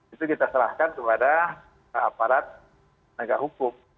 itu kita serahkan kepada aparat negara hukum